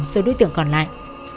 số đối tượng còn lại